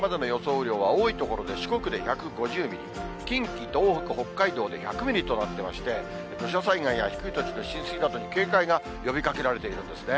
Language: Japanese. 雨量は、多い所で四国で１５０ミリ、近畿、東北、北海道で１００ミリとなってまして、土砂災害や低い土地の浸水などに警戒が呼びかけられているんですね。